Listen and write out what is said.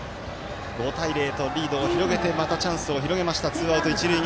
５対０とリードを広げてまたチャンスを広げました。